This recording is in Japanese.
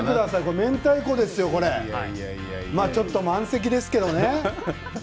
めんたいこですよ、ちょっと満席ですけどね。